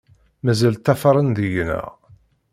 Mazal ṭṭafaṛen deg-nneɣ.